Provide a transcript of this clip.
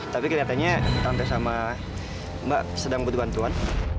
tapi kelihatannya tante sama mbak sedang butuh bantuan